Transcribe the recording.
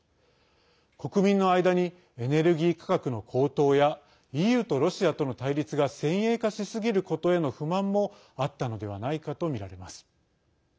国民の間にエネルギー価格の高騰やＥＵとロシアとの対立が先鋭化しすぎることへの不満もあったのではないかとみられます。